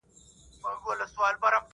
دکندهار په زنګاواټ کي